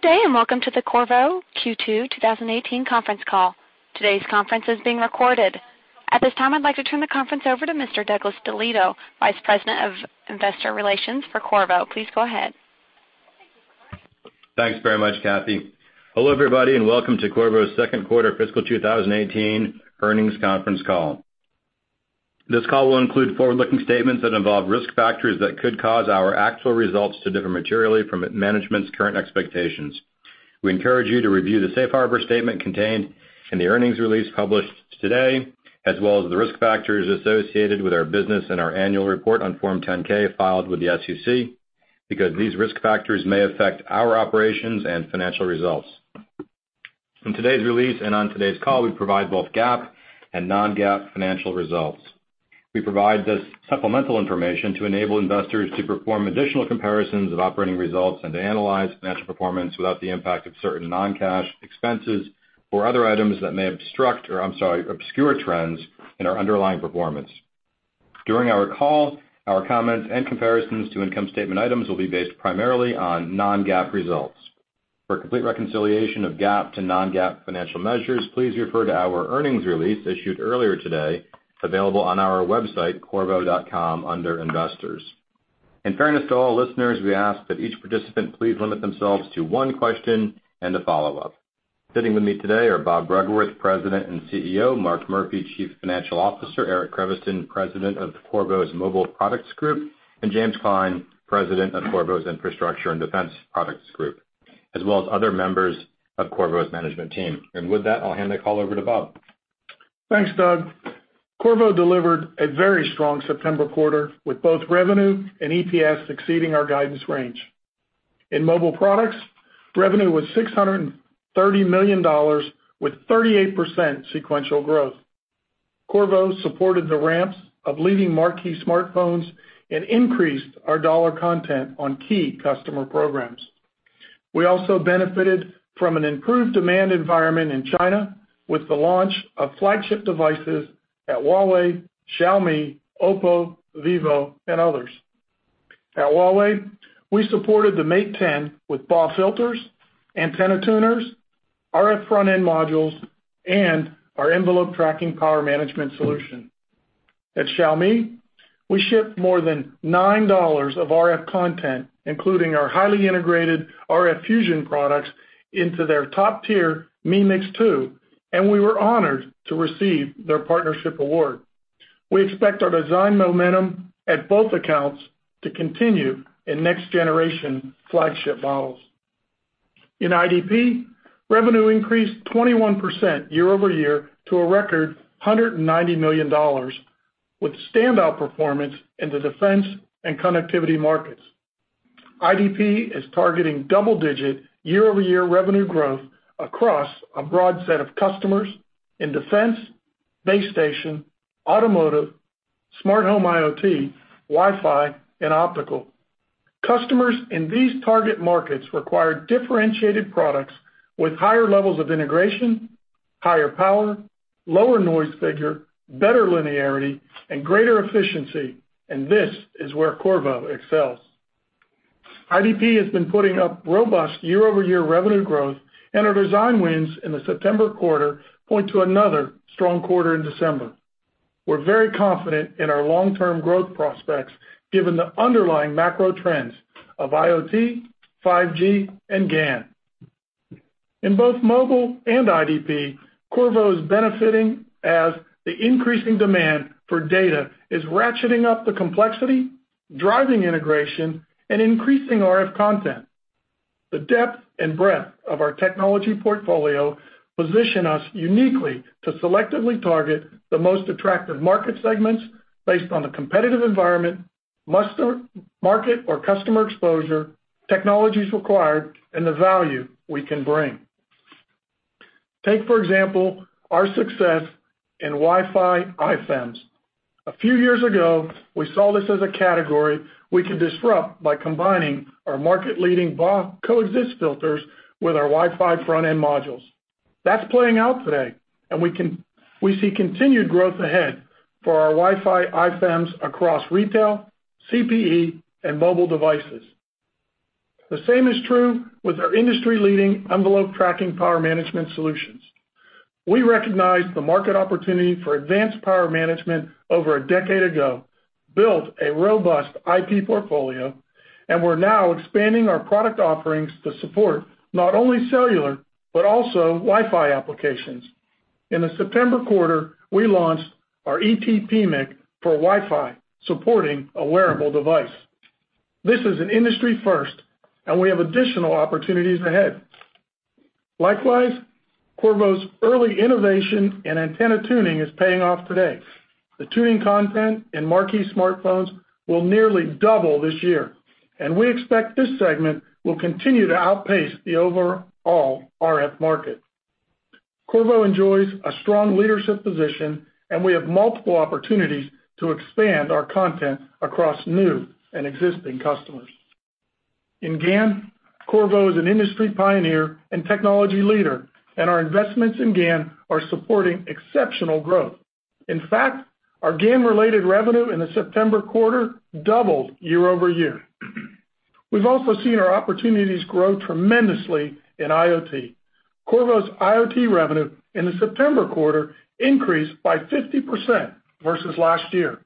Good day, welcome to the Qorvo Q2 2018 conference call. Today's conference is being recorded. At this time, I'd like to turn the conference over to Mr. Doug DeLieto, Vice President of Investor Relations for Qorvo. Please go ahead. Thanks very much, Kathy. Hello, everybody, welcome to Qorvo's second quarter fiscal 2018 earnings conference call. This call will include forward-looking statements that involve risk factors that could cause our actual results to differ materially from management's current expectations. We encourage you to review the safe harbor statement contained in the earnings release published today, as well as the risk factors associated with our business and our annual report on Form 10-K filed with the SEC, because these risk factors may affect our operations and financial results. In today's release and on today's call, we provide both GAAP and non-GAAP financial results. We provide this supplemental information to enable investors to perform additional comparisons of operating results and to analyze financial performance without the impact of certain non-cash expenses or other items that may obscure trends in our underlying performance. During our call, our comments and comparisons to income statement items will be based primarily on non-GAAP results. For a complete reconciliation of GAAP to non-GAAP financial measures, please refer to our earnings release issued earlier today, available on our website, qorvo.com, under Investors. In fairness to all listeners, we ask that each participant please limit themselves to one question and a follow-up. Sitting with me today are Bob Bruggeworth, President and Chief Executive Officer, Mark Murphy, Chief Financial Officer, Eric Creviston, President of Qorvo's Mobile Products Group, and James Klein, President of Qorvo's Infrastructure and Defense Products Group, as well as other members of Qorvo's management team. With that, I'll hand the call over to Bob. Thanks, Doug. Qorvo delivered a very strong September quarter, with both revenue and EPS exceeding our guidance range. In Mobile Products, revenue was $630 million, with 38% sequential growth. Qorvo supported the ramps of leading marquee smartphones and increased our dollar content on key customer programs. We also benefited from an improved demand environment in China with the launch of flagship devices at Huawei, Xiaomi, OPPO, Vivo, and others. At Huawei, we supported the Mate 10 with BAW filters, antenna tuners, RF front-end modules, and our envelope tracking power management solution. At Xiaomi, we shipped more than $9 of RF content, including our highly integrated RF Fusion products, into their top-tier Mi MIX 2. We were honored to receive their Partnership Award. We expect our design momentum at both accounts to continue in next-generation flagship models. In IDP, revenue increased 21% year-over-year to a record $190 million, with standout performance in the defense and connectivity markets. IDP is targeting double-digit year-over-year revenue growth across a broad set of customers in defense, base station, automotive, smart home IoT, Wi-Fi, and optical. Customers in these target markets require differentiated products with higher levels of integration, higher power, lower noise figure, better linearity, and greater efficiency. This is where Qorvo excels. IDP has been putting up robust year-over-year revenue growth. Our design wins in the September quarter point to another strong quarter in December. We're very confident in our long-term growth prospects given the underlying macro trends of IoT, 5G, and GaN. In both Mobile and IDP, Qorvo is benefiting as the increasing demand for data is ratcheting up the complexity, driving integration, and increasing RF content. The depth and breadth of our technology portfolio position us uniquely to selectively target the most attractive market segments based on the competitive environment, market or customer exposure, technologies required, and the value we can bring. Take, for example, our success in Wi-Fi iFEMs. A few years ago, we saw this as a category we could disrupt by combining our market-leading BAW coexist filters with our Wi-Fi front-end modules. That's playing out today. We see continued growth ahead for our Wi-Fi iFEMs across retail, CPE, and mobile devices. The same is true with our industry-leading envelope tracking power management solutions. We recognized the market opportunity for advanced power management over a decade ago, built a robust IP portfolio. We're now expanding our product offerings to support not only cellular, but also Wi-Fi applications. In the September quarter, we launched our ET PMIC for Wi-Fi, supporting a wearable device. This is an industry first. We have additional opportunities ahead. Likewise, Qorvo's early innovation in antenna tuning is paying off today. The tuning content in marquee smartphones will nearly double this year. We expect this segment will continue to outpace the overall RF market. Qorvo enjoys a strong leadership position. We have multiple opportunities to expand our content across new and existing customers. In GaN, Qorvo is an industry pioneer and technology leader. Our investments in GaN are supporting exceptional growth. In fact, our GaN-related revenue in the September quarter doubled year-over-year. We've also seen our opportunities grow tremendously in IoT. Qorvo's IoT revenue in the September quarter increased by 50% versus last year.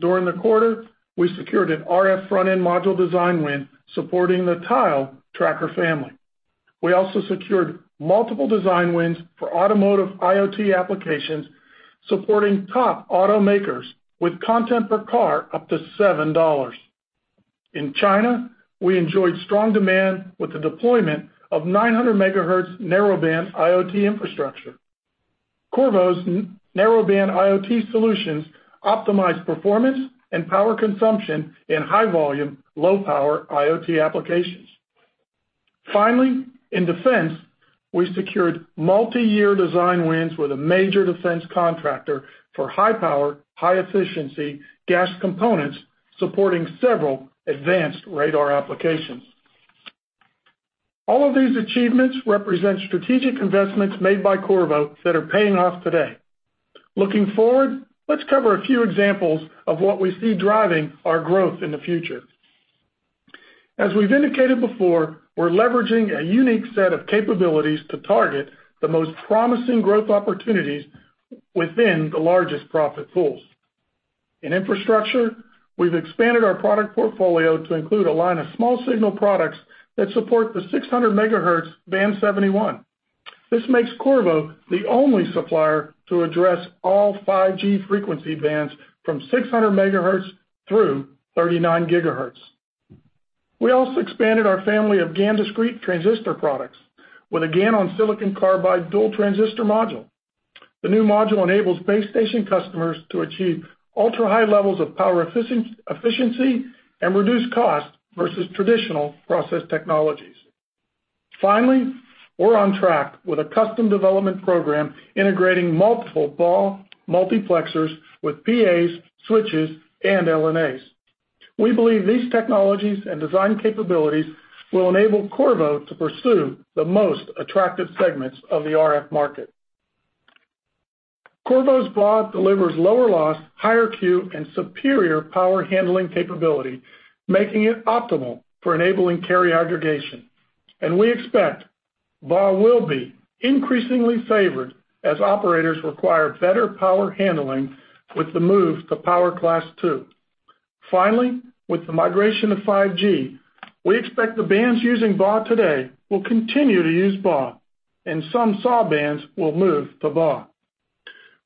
During the quarter, we secured an RF front-end module design win supporting the Tile tracker family. We also secured multiple design wins for automotive IoT applications, supporting top automakers with content per car up to $7. In China, we enjoyed strong demand with the deployment of 900 MHz Narrowband IoT infrastructure. Qorvo's Narrowband IoT solutions optimize performance and power consumption in high volume, low power IoT applications. Finally, in defense, we secured multi-year design wins with a major defense contractor for high power, high efficiency GaAs components supporting several advanced radar applications. All of these achievements represent strategic investments made by Qorvo that are paying off today. Looking forward, let's cover a few examples of what we see driving our growth in the future. As we've indicated before, we're leveraging a unique set of capabilities to target the most promising growth opportunities within the largest profit pools. In Infrastructure, we've expanded our product portfolio to include a line of small signal products that support the 600 MHz Band 71. This makes Qorvo the only supplier to address all 5G frequency bands from 600 MHz through 39 GHz. We also expanded our family of GaN discrete transistor products with a GaN on silicon carbide dual transistor module. The new module enables base station customers to achieve ultra-high levels of power efficiency and reduce cost versus traditional process technologies. Finally, we're on track with a custom development program integrating multiple BAW multiplexers with PAs, switches, and LNAs. We believe these technologies and design capabilities will enable Qorvo to pursue the most attractive segments of the RF market. Qorvo's BAW delivers lower loss, higher Q, and superior power handling capability, making it optimal for enabling carrier aggregation. We expect BAW will be increasingly favored as operators require better power handling with the move to Power Class 2. Finally, with the migration to 5G, we expect the bands using BAW today will continue to use BAW, and some SAW bands will move to BAW.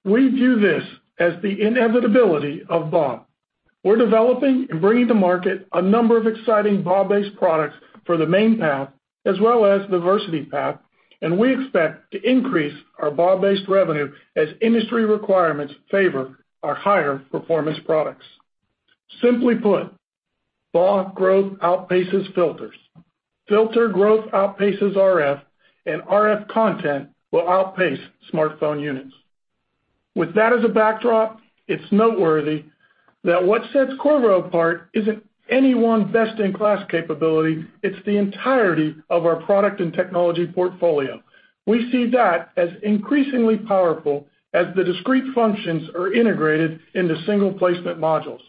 We view this as the inevitability of BAW. We're developing and bringing to market a number of exciting BAW-based products for the main path as well as diversity path, and we expect to increase our BAW-based revenue as industry requirements favor our higher performance products. Simply put, BAW growth outpaces filters. Filter growth outpaces RF, and RF content will outpace smartphone units. With that as a backdrop, it's noteworthy that what sets Qorvo apart isn't any one best-in-class capability, it's the entirety of our product and technology portfolio. We see that as increasingly powerful as the discrete functions are integrated into single placement modules.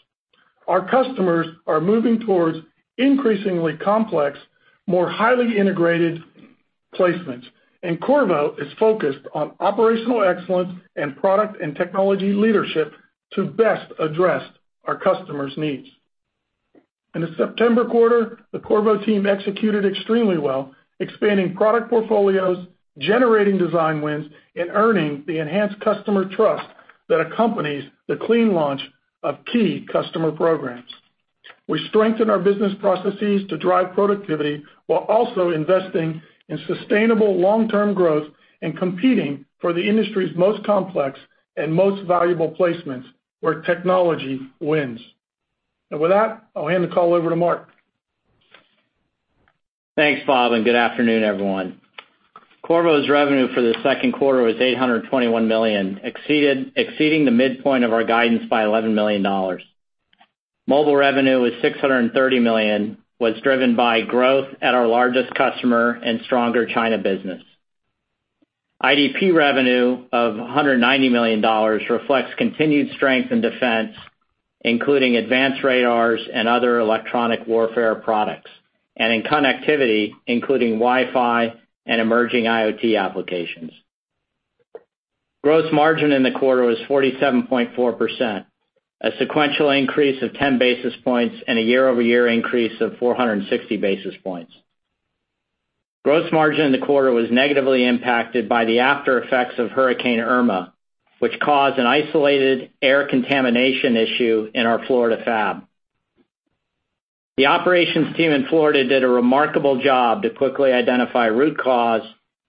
Our customers are moving towards increasingly complex, more highly integrated placements. Qorvo is focused on operational excellence and product and technology leadership to best address our customers' needs. In the September quarter, the Qorvo team executed extremely well, expanding product portfolios, generating design wins, and earning the enhanced customer trust that accompanies the clean launch of key customer programs. We strengthen our business processes to drive productivity while also investing in sustainable long-term growth and competing for the industry's most complex and most valuable placements where technology wins. With that, I'll hand the call over to Mark. Thanks, Bob, and good afternoon, everyone. Qorvo's revenue for the second quarter was $821 million, exceeding the midpoint of our guidance by $11 million. Mobile revenue was $630 million, was driven by growth at our largest customer and stronger China business. IDP revenue of $190 million reflects continued strength in defense, including advanced radars and other electronic warfare products, and in connectivity, including Wi-Fi and emerging IoT applications. Gross margin in the quarter was 47.4%, a sequential increase of 10 basis points and a year-over-year increase of 460 basis points. Gross margin in the quarter was negatively impacted by the after effects of Hurricane Irma, which caused an isolated air contamination issue in our Florida fab. The operations team in Florida did a remarkable job to quickly identify root cause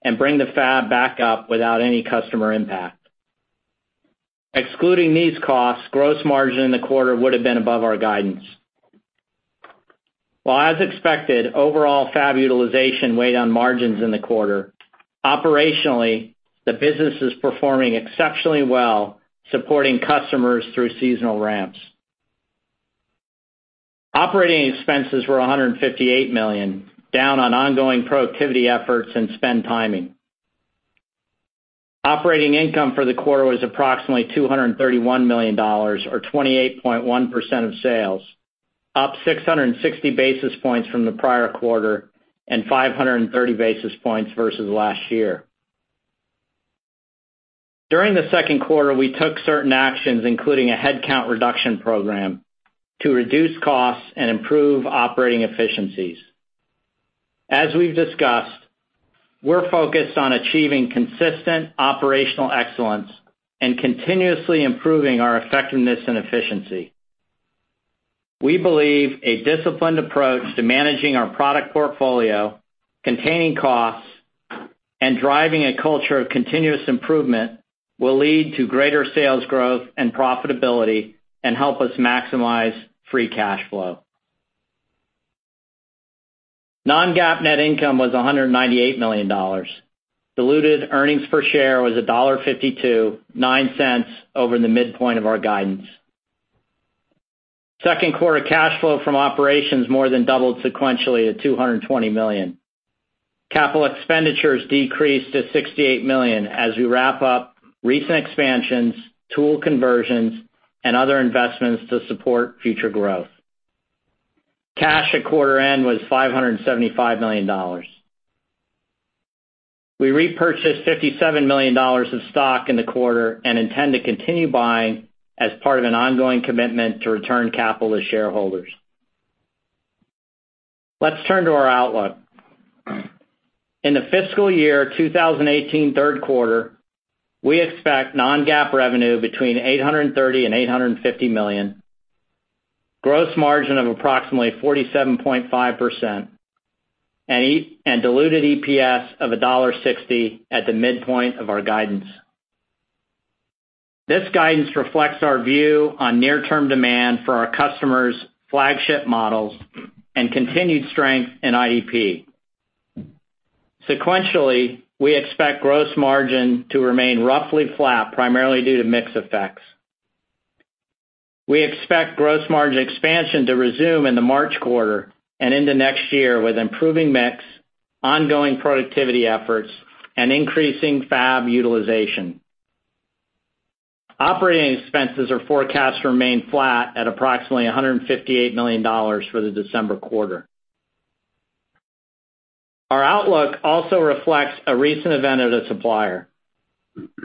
and bring the fab back up without any customer impact. Excluding these costs, gross margin in the quarter would've been above our guidance. While as expected, overall fab utilization weighed on margins in the quarter, operationally, the business is performing exceptionally well, supporting customers through seasonal ramps. Operating expenses were $158 million, down on ongoing productivity efforts and spend timing. Operating income for the quarter was approximately $231 million or 28.1% of sales, up 660 basis points from the prior quarter and 530 basis points versus last year. During the second quarter, we took certain actions, including a headcount reduction program, to reduce costs and improve operating efficiencies. As we've discussed, we're focused on achieving consistent operational excellence and continuously improving our effectiveness and efficiency. We believe a disciplined approach to managing our product portfolio, containing costs, and driving a culture of continuous improvement will lead to greater sales growth and profitability and help us maximize free cash flow. Non-GAAP net income was $198 million. Diluted earnings per share was $1.52, $0.09 over the midpoint of our guidance. Second quarter cash flow from operations more than doubled sequentially to $220 million. Capital expenditures decreased to $68 million as we wrap up recent expansions, tool conversions, and other investments to support future growth. Cash at quarter end was $575 million. We repurchased $57 million of stock in the quarter and intend to continue buying as part of an ongoing commitment to return capital to shareholders. Let's turn to our outlook. In the fiscal year 2018 third quarter, we expect non-GAAP revenue between $830 million and $850 million, gross margin of approximately 47.5%, and diluted EPS of $1.60 at the midpoint of our guidance. This guidance reflects our view on near-term demand for our customers' flagship models and continued strength in IDP. Sequentially, we expect gross margin to remain roughly flat, primarily due to mix effects. We expect gross margin expansion to resume in the March quarter and into next year with improving mix, ongoing productivity efforts, and increasing fab utilization. Operating expenses are forecast to remain flat at approximately $158 million for the December quarter. Our outlook also reflects a recent event at a supplier.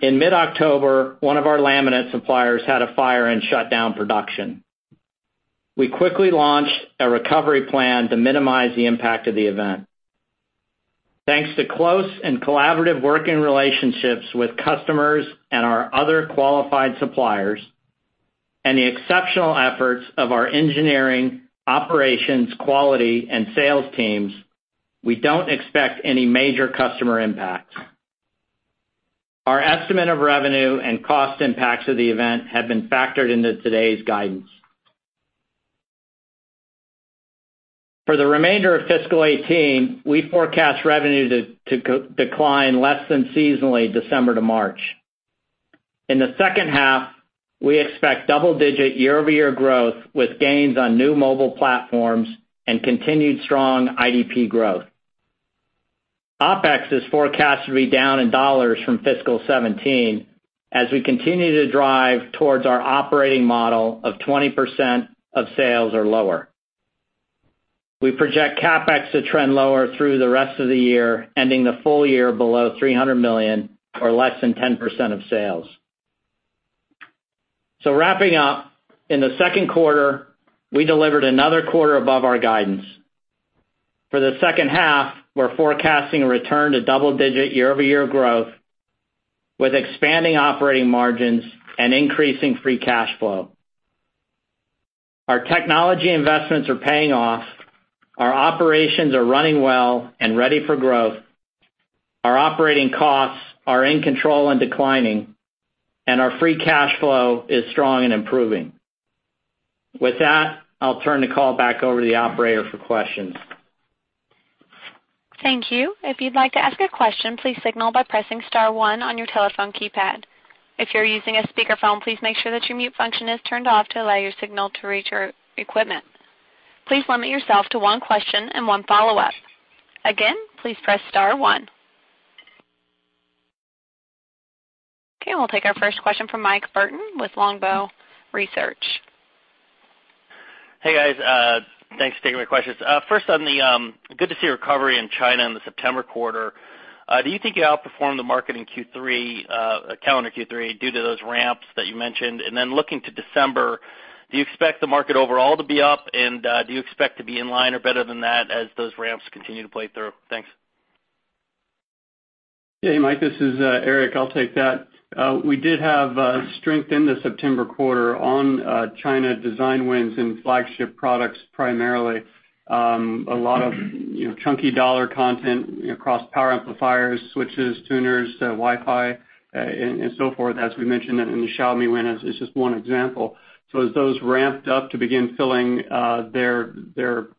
In mid-October, one of our laminate suppliers had a fire and shut down production. We quickly launched a recovery plan to minimize the impact of the event. Thanks to close and collaborative working relationships with customers and our other qualified suppliers, and the exceptional efforts of our engineering, operations, quality, and sales teams, we don't expect any major customer impact. Our estimate of revenue and cost impacts of the event have been factored into today's guidance. For the remainder of fiscal 2018, we forecast revenue to decline less than seasonally December to March. In the second half, we expect double-digit year-over-year growth with gains on new mobile platforms and continued strong IDP growth. OpEx is forecasted to be down in dollars from fiscal 2017 as we continue to drive towards our operating model of 20% of sales or lower. We project CapEx to trend lower through the rest of the year, ending the full year below $300 million or less than 10% of sales. Wrapping up, in the second quarter, we delivered another quarter above our guidance. For the second half, we're forecasting a return to double-digit year-over-year growth with expanding operating margins and increasing free cash flow. Our technology investments are paying off. Our operations are running well and ready for growth. Our operating costs are in control and declining. Our free cash flow is strong and improving. With that, I'll turn the call back over to the operator for questions. Thank you. If you'd like to ask a question, please signal by pressing star one on your telephone keypad. If you're using a speakerphone, please make sure that your mute function is turned off to allow your signal to reach our equipment. Please limit yourself to one question and one follow-up. Again, please press star one. Okay, we'll take our first question from Mike Burton with Longbow Research. Hey, guys. Thanks for taking my questions. First, good to see recovery in China in the September quarter. Do you think you outperformed the market in calendar Q3 due to those ramps that you mentioned? Looking to December, do you expect the market overall to be up and do you expect to be in line or better than that as those ramps continue to play through? Thanks. Hey, Mike. This is Eric. I'll take that. We did have strength in the September quarter on China design wins and flagship products, primarily. A lot of chunky dollar content across power amplifiers, switches, tuners, Wi-Fi, and so forth, as we mentioned in the Xiaomi win, is just one example. As those ramped up to begin filling their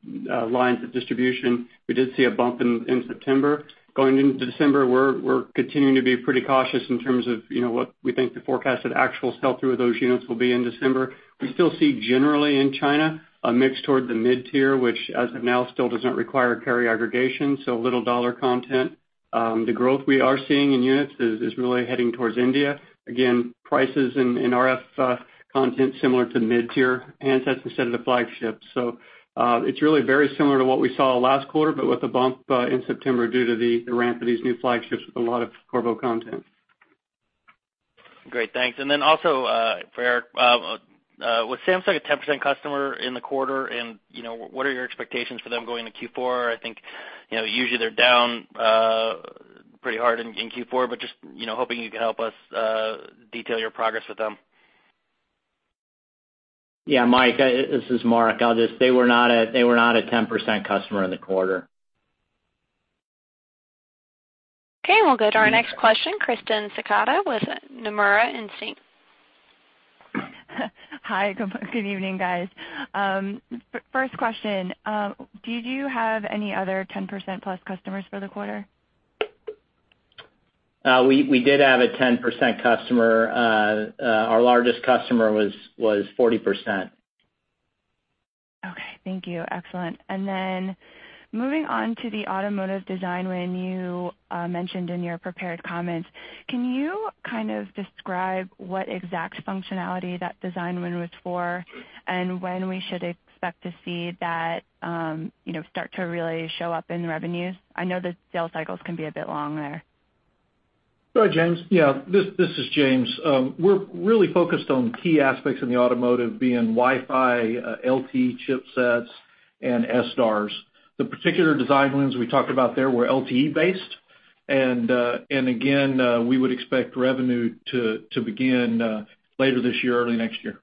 lines of distribution, we did see a bump in September. Going into December, we're continuing to be pretty cautious in terms of what we think the forecast and actual sell-through of those units will be in December. We still see generally in China a mix toward the mid-tier, which as of now still doesn't require carrier aggregation, so a little dollar content The growth we are seeing in units is really heading towards India. Again, prices in RF content similar to mid-tier handsets instead of the flagship. It's really very similar to what we saw last quarter, but with a bump in September due to the ramp of these new flagships with a lot of Qorvo content. Great, thanks. Also for Eric, was Samsung a 10% customer in the quarter, and what are your expectations for them going into Q4? I think usually they're down pretty hard in Q4, but just hoping you could help us detail your progress with them. Yeah, Mike, this is Mark. They were not a 10% customer in the quarter. Okay, we'll go to our next question, Krysten Sciacca with Nomura. Hi, good evening, guys. First question, did you have any other 10% plus customers for the quarter? We did have a 10% customer. Our largest customer was 40%. Okay, thank you. Excellent. Moving on to the automotive design win you mentioned in your prepared comments, can you kind of describe what exact functionality that design win was for, and when we should expect to see that start to really show up in revenues? I know the sales cycles can be a bit long there. Go ahead, James. Yeah. This is James. We're really focused on key aspects in the automotive being Wi-Fi, LTE chipsets and SDARS. The particular design wins we talked about there were LTE based, again, we would expect revenue to begin later this year, early next year.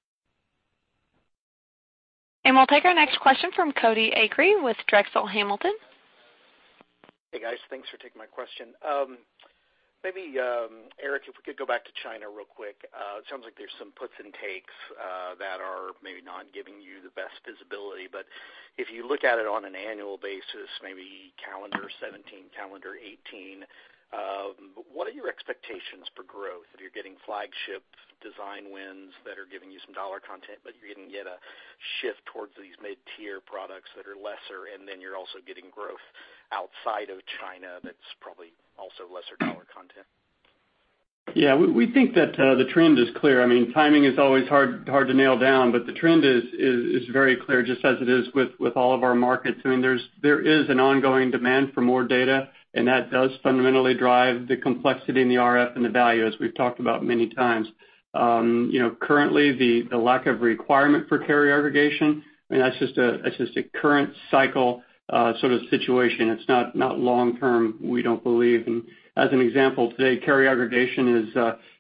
We'll take our next question from Cody Acree with Drexel Hamilton. Hey, guys. Thanks for taking my question. Maybe, Eric, if we could go back to China real quick. It sounds like there's some puts and takes that are maybe not giving you the best visibility, but if you look at it on an annual basis, maybe calendar 2017, calendar 2018, what are your expectations for growth? If you're getting flagship design wins that are giving you some dollar content, but you're getting yet a shift towards these mid-tier products that are lesser, you're also getting growth outside of China, that's probably also lesser dollar content. Yeah, we think that the trend is clear. Timing is always hard to nail down, but the trend is very clear, just as it is with all of our markets. There is an ongoing demand for more data, that does fundamentally drive the complexity in the RF and the value, as we've talked about many times. Currently, the lack of requirement for carrier aggregation, that's just a current cycle sort of situation. It's not long-term, we don't believe. As an example, today, carrier aggregation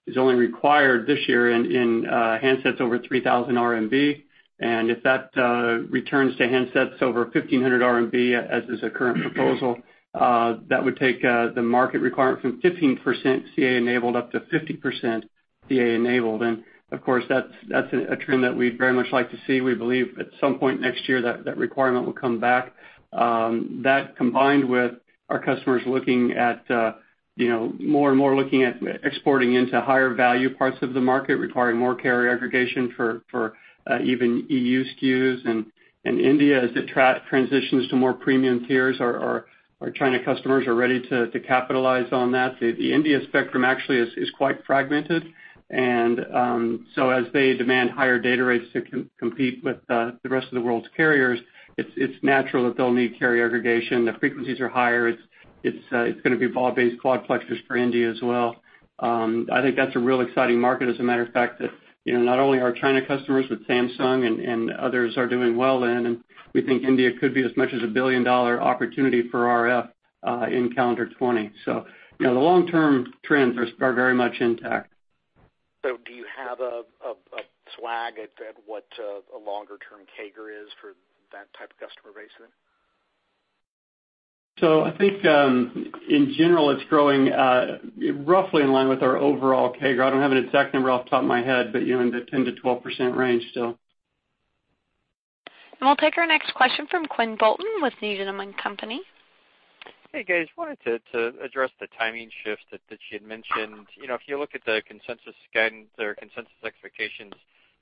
is only required this year in handsets over 3,000 RMB. If that returns to handsets over 1,500 RMB as is a current proposal, that would take the market requirement from 15% CA enabled up to 50% CA enabled. Of course, that's a trend that we'd very much like to see. We believe at some point next year, that requirement will come back. That combined with our customers more and more looking at exporting into higher value parts of the market, requiring more carrier aggregation for even EU SKUs. India, as it transitions to more premium tiers, our China customers are ready to capitalize on that. The India spectrum actually is quite fragmented, and so as they demand higher data rates to compete with the rest of the world's carriers, it's natural that they'll need carrier aggregation. The frequencies are higher. It's going to be BAW-based quadplexers for India as well. I think that's a real exciting market, as a matter of fact, that not only are our China customers with Samsung and others are doing well in, and we think India could be as much as a billion-dollar opportunity for RF in calendar 2020. The long-term trends are very much intact. Do you have a swag at what a longer-term CAGR is for that type of customer base then? I think, in general, it's growing roughly in line with our overall CAGR. I don't have an exact number off the top of my head, but in the 10-12% range still. We'll take our next question from Quinn Bolton with Needham & Company. Hey, guys. I wanted to address the timing shift that you had mentioned. If you look at the consensus expectations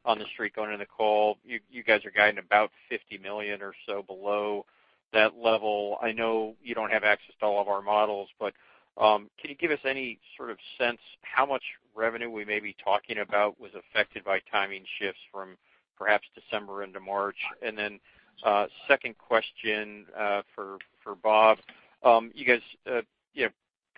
on the street going into the call, you guys are guiding about $50 million or so below that level. I know you don't have access to all of our models, but can you give us any sort of sense how much revenue we may be talking about was affected by timing shifts from perhaps December into March? Then, second question for Bob. You guys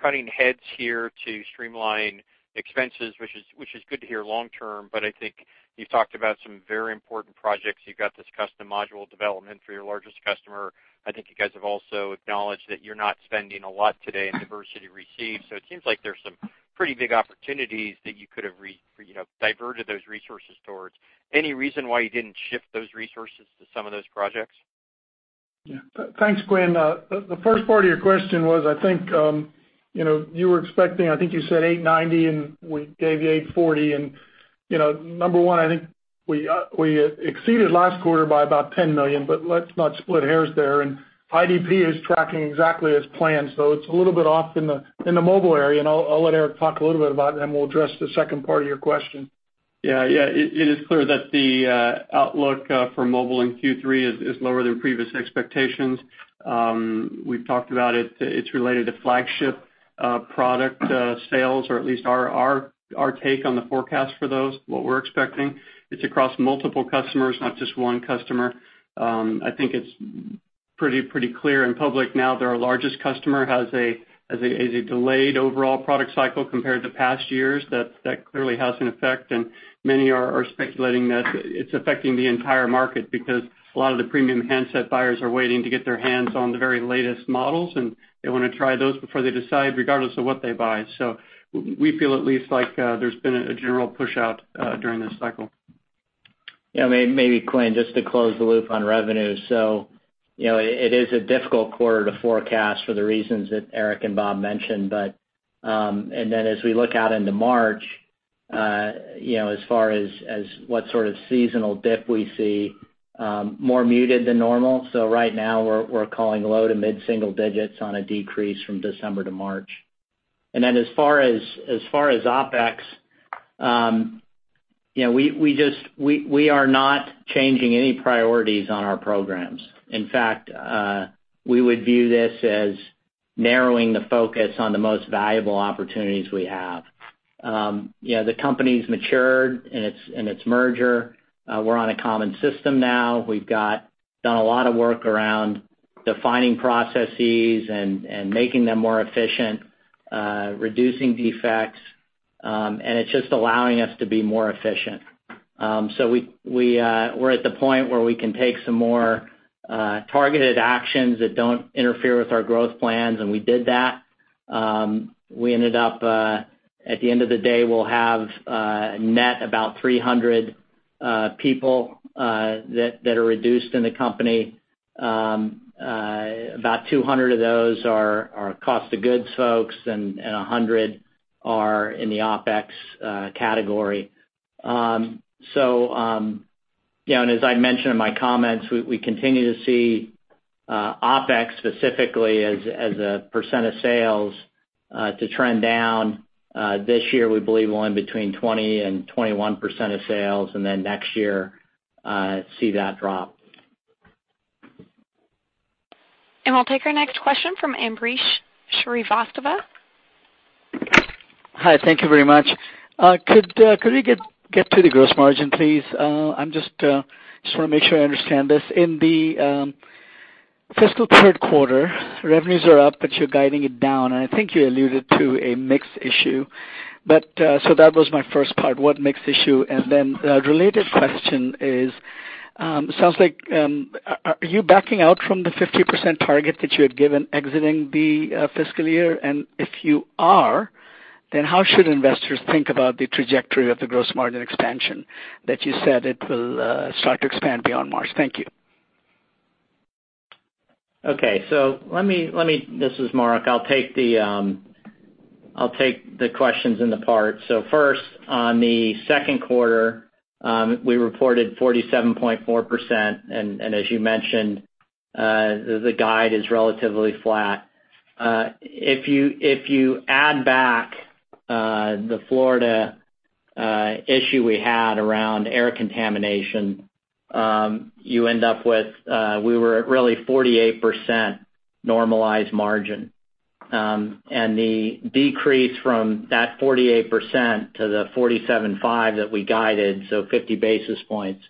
cutting heads here to streamline expenses, which is good to hear long-term, but I think you've talked about some very important projects. You've got this custom module development for your largest customer. I think you guys have also acknowledged that you're not spending a lot today in diversity receive. It seems like there's some pretty big opportunities that you could have diverted those resources towards. Any reason why you didn't shift those resources to some of those projects? Yeah. Thanks, Quinn. The first part of your question was, I think, you were expecting, I think you said $890 million, and we gave you $840 million, and number 1, I think we exceeded last quarter by about $10 million, let's not split hairs there. IDP is tracking exactly as planned. It's a little bit off in the mobile area, and I'll let Eric talk a little bit about it, then we'll address the second part of your question. Yeah. It is clear that the outlook for mobile in Q3 is lower than previous expectations. We've talked about it. It's related to flagship product sales, or at least our take on the forecast for those, what we're expecting. It's across multiple customers, not just one customer. I think it's pretty clear and public now that our largest customer has a delayed overall product cycle compared to past years that clearly has an effect. Many are speculating that it's affecting the entire market because a lot of the premium handset buyers are waiting to get their hands on the very latest models, and they want to try those before they decide, regardless of what they buy. We feel at least like there's been a general push-out during this cycle. Maybe, Quinn, just to close the loop on revenue. It is a difficult quarter to forecast for the reasons that Eric and Bob mentioned. As we look out into March, as far as what sort of seasonal dip we see, more muted than normal. Right now we're calling low to mid single digits on a decrease from December to March. As far as OpEx, we are not changing any priorities on our programs. In fact, we would view this as narrowing the focus on the most valuable opportunities we have. The company's matured in its merger. We're on a common system now. We've done a lot of work around defining processes and making them more efficient, reducing defects. It's just allowing us to be more efficient. We're at the point where we can take some more targeted actions that don't interfere with our growth plans, and we did that. We ended up, at the end of the day, we'll have a net about 300 people that are reduced in the company. About 200 of those are our cost of goods folks, and 100 are in the OpEx category. As I mentioned in my comments, we continue to see OpEx specifically as a percent of sales to trend down. This year, we believe we'll end between 20% and 21% of sales, next year, see that drop. We'll take our next question from Ambrish Srivastava. Hi. Thank you very much. Could you get to the gross margin, please? I just want to make sure I understand this. In the fiscal third quarter, revenues are up, you're guiding it down, I think you alluded to a mix issue. That was my first part, what mix issue? A related question is, sounds like, are you backing out from the 50% target that you had given exiting the fiscal year? If you are, how should investors think about the trajectory of the gross margin expansion that you said it will start to expand beyond March? Thank you. this is Mark. I'll take the questions in the part. First, on the second quarter, we reported 47.4%, and as you mentioned, the guide is relatively flat. If you add back the Florida issue we had around air contamination, you end up with, we were at really 48% normalized margin. The decrease from that 48% to the 47.5% that we guided, 50 basis points,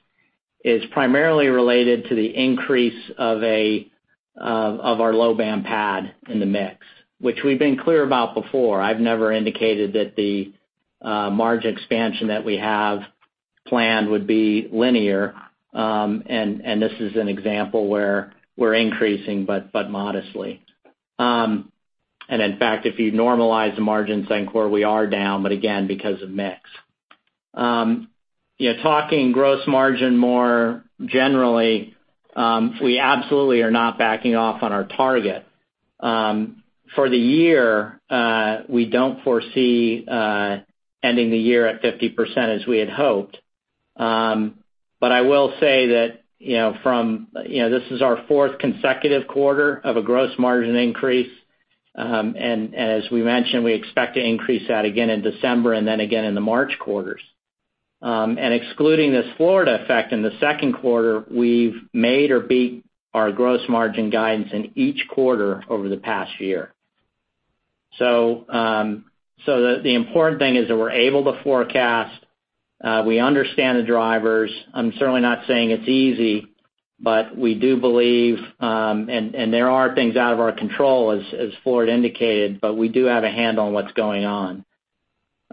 is primarily related to the increase of our low-band PAD in the mix, which we've been clear about before. I've never indicated that the margin expansion that we have planned would be linear. This is an example where we're increasing, but modestly. In fact, if you normalize the margin, same quarter, we are down, but again because of mix. Talking gross margin more generally, we absolutely are not backing off on our target. For the year, we don't foresee ending the year at 50% as we had hoped. I will say that, this is our fourth consecutive quarter of a gross margin increase. As we mentioned, we expect to increase that again in December and again in the March quarters. Excluding this Florida effect in the second quarter, we've made or beat our gross margin guidance in each quarter over the past year. The important thing is that we're able to forecast. We understand the drivers. I'm certainly not saying it's easy, but we do believe, and there are things out of our control as Bob indicated, but we do have a handle on what's going on.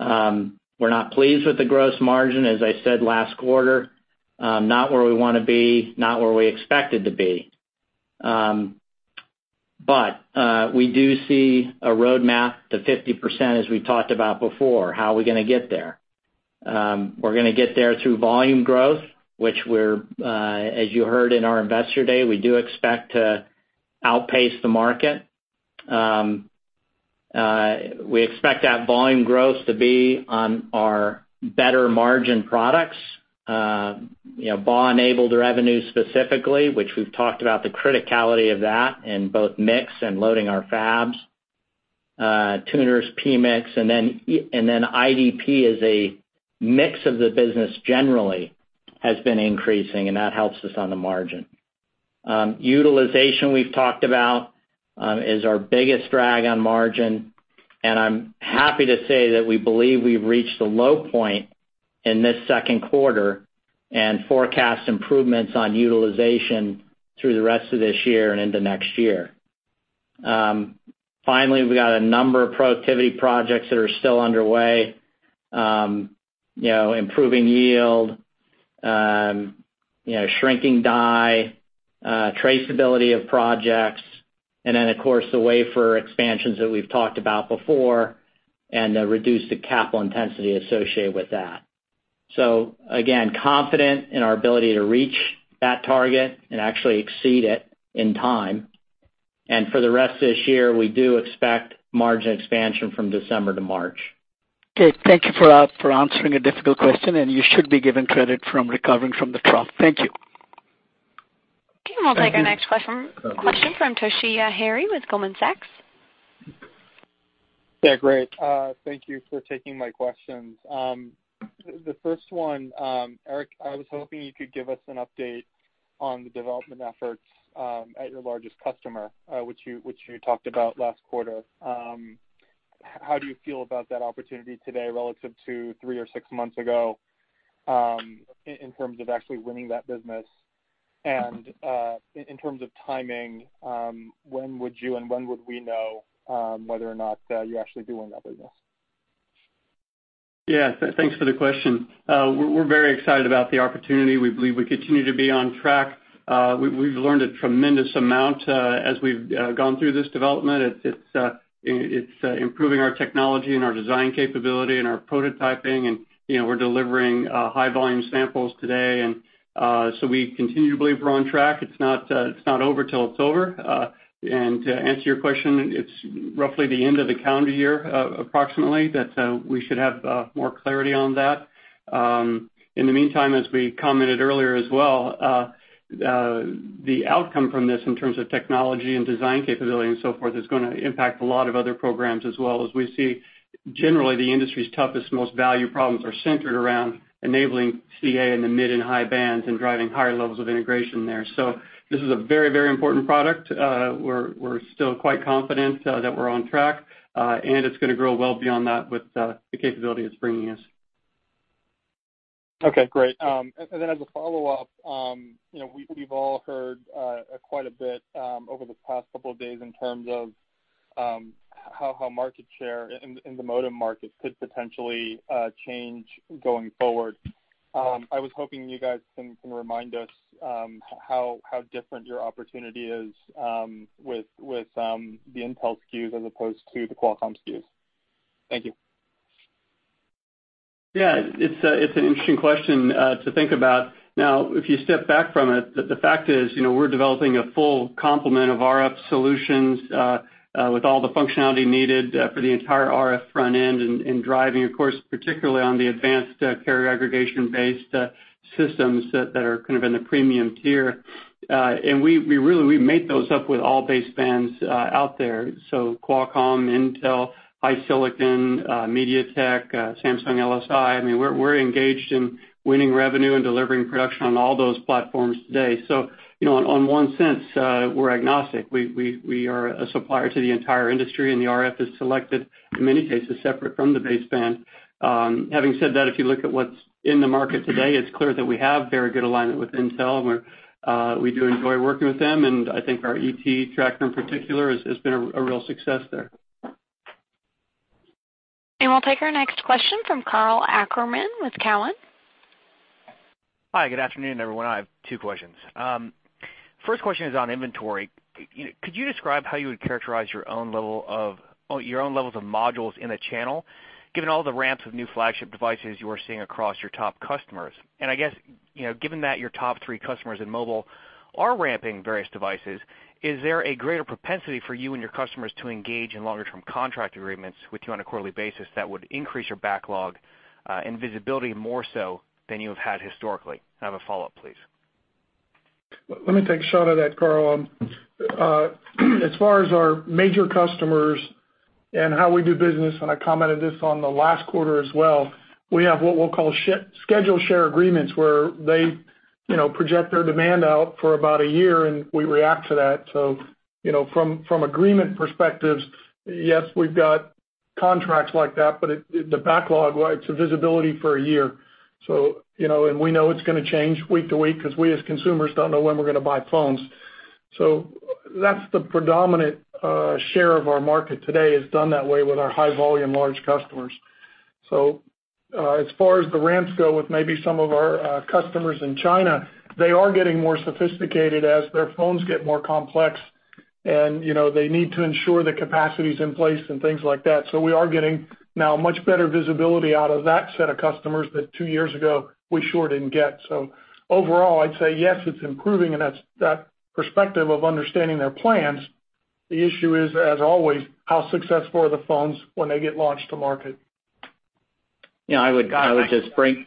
We're not pleased with the gross margin, as I said last quarter. Not where we want to be, not where we expected to be. We do see a roadmap to 50%, as we talked about before. How are we going to get there? We're going to get there through volume growth, as you heard in our investor day, we do expect to outpace the market. We expect that volume growth to be on our better margin products. BAW-enabled revenue specifically, which we've talked about the criticality of that in both mix and loading our fabs. Tuners, PMIC, IDP as a mix of the business generally has been increasing, that helps us on the margin. Utilization we've talked about is our biggest drag on margin, I'm happy to say that we believe we've reached the low point in this second quarter forecast improvements on utilization through the rest of this year and into next year. Finally, we've got a number of productivity projects that are still underway. Improving yield, shrinking die, traceability of projects, of course, the wafer expansions that we've talked about before reduce the capital intensity associated with that. Again, confident in our ability to reach that target and actually exceed it in time. For the rest of this year, we do expect margin expansion from December to March. Okay. Thank you for answering a difficult question, and you should be given credit from recovering from the trough. Thank you. Okay. We'll take our next question from Toshiya Hari with Goldman Sachs. Yeah, great. Thank you for taking my questions. The first one, Eric, I was hoping you could give us an update on the development efforts, at your largest customer, which you talked about last quarter. How do you feel about that opportunity today relative to three or six months ago, in terms of actually winning that business and, in terms of timing, when would you and when would we know, whether or not you actually do win that business? Yeah. Thanks for the question. We're very excited about the opportunity. We believe we continue to be on track. We've learned a tremendous amount, as we've gone through this development. It's improving our technology and our design capability and our prototyping and we're delivering high volume samples today. We continue to believe we're on track. It's not over till it's over. To answer your question, it's roughly the end of the calendar year, approximately, that we should have more clarity on that. In the meantime, as we commented earlier as well, the outcome from this in terms of technology and design capability and so forth, is gonna impact a lot of other programs as well as we see generally the industry's toughest, most value problems are centered around enabling CA in the mid and high bands and driving higher levels of integration there. This is a very, very important product. We're still quite confident that we're on track. It's gonna grow well beyond that with the capability it's bringing us. Okay, great. As a follow-up, we've all heard quite a bit over the past couple of days in terms of how market share in the modem market could potentially change going forward. I was hoping you guys can remind us how different your opportunity is with the Intel SKUs as opposed to the Qualcomm SKUs. Thank you. It's an interesting question to think about. Now, if you step back from it, the fact is, we're developing a full complement of RF solutions, with all the functionality needed for the entire RF front end and driving, of course, particularly on the advanced carrier aggregation-based systems that are kind of in the premium tier. We made those up with all basebands out there, so Qualcomm, Intel, HiSilicon, MediaTek, Samsung LSI. We're engaged in winning revenue and delivering production on all those platforms today. On one sense, we're agnostic. We are a supplier to the entire industry, and the RF is selected, in many cases, separate from the baseband. Having said that, if you look at what's in the market today, it's clear that we have very good alignment with Intel and we do enjoy working with them, and I think our ET tracker in particular has been a real success there. We'll take our next question from Karl Ackerman with Cowen. Hi, good afternoon, everyone. I have two questions. First question is on inventory. Could you describe how you would characterize your own levels of modules in the channel, given all the ramps of new flagship devices you are seeing across your top customers? I guess, given that your top three customers in mobile are ramping various devices, is there a greater propensity for you and your customers to engage in longer-term contract agreements with you on a quarterly basis that would increase your backlog, and visibility more so than you have had historically? I have a follow-up, please. Let me take a shot at that, Karl. As far as our major customers and how we do business, and I commented this on the last quarter as well, we have what we'll call schedule share agreements where they project their demand out for about a year, and we react to that. From agreement perspectives, yes, we've got contracts like that, but the backlog, it's a visibility for a year. We know it's gonna change week to week because we as consumers don't know when we're gonna buy phones. That's the predominant share of our market today, is done that way with our high volume large customers. As far as the ramps go with maybe some of our customers in China, they are getting more sophisticated as their phones get more complex and they need to ensure the capacity's in place and things like that. We are getting now much better visibility out of that set of customers that two years ago we sure didn't get. Overall, I'd say yes, it's improving and that perspective of understanding their plans. The issue is, as always, how successful are the phones when they get launched to market? I would just bring,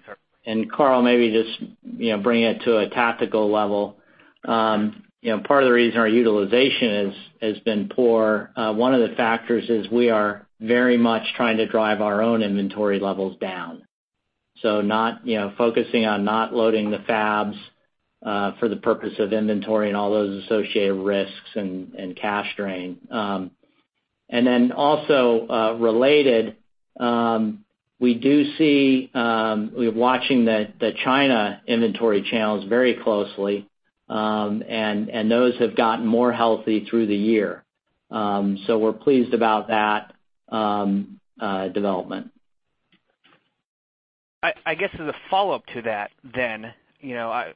Karl, maybe just bring it to a tactical level. Part of the reason our utilization has been poor, one of the factors is we are very much trying to drive our own inventory levels down. Focusing on not loading the fabs for the purpose of inventory and all those associated risks and cash drain. Also related, we're watching the China inventory channels very closely, and those have gotten more healthy through the year. We're pleased about that development. I guess as a follow-up to that then,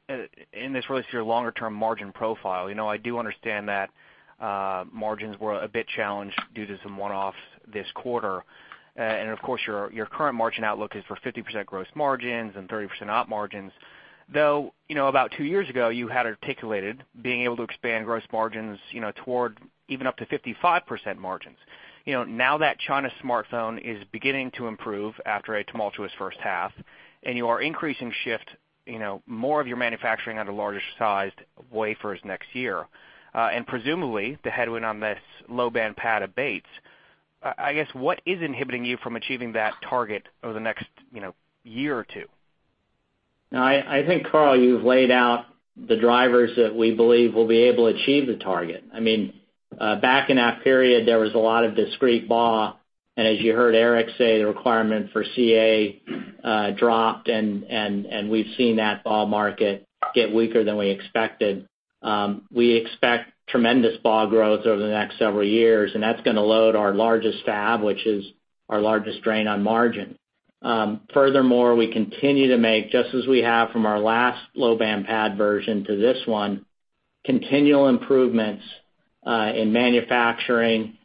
this relates to your longer-term margin profile. I do understand that margins were a bit challenged due to some one-offs this quarter. Of course, your current margin outlook is for 50% gross margins and 30% operating margins, though about two years ago, you had articulated being able to expand gross margins toward even up to 55% margins. Now that China smartphone is beginning to improve after a tumultuous first half and you are increasing shift more of your manufacturing onto larger sized wafers next year, and presumably the headwind on this Low Band S-PAD abates, I guess, what is inhibiting you from achieving that target over the next year or two? No, I think, Karl, you've laid out the drivers that we believe will be able to achieve the target. Back in that period, there was a lot of discrete BAW, as you heard Eric say, the requirement for CA dropped, we've seen that BAW market get weaker than we expected. We expect tremendous BAW growth over the next several years, that's going to load our largest fab, which is our largest drain on margin. Furthermore, we continue to make, just as we have from our last Low Band S-PAD version to this one, continual improvements in manufacturing